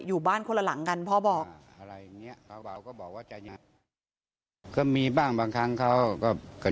อยู่บ้านคนละหลังกันพ่อบอก